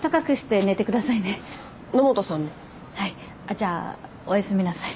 じゃあおやすみなさい。